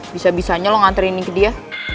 bisa bisanya lo nganterin ini ke dia